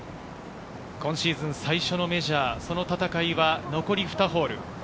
今シーズン最初のメジャー、その戦いは残り２ホール。